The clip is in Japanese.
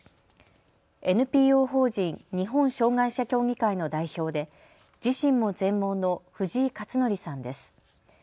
ＮＰＯ法人日本障害者協議会の代表で自身も全盲の藤井克徳さんです。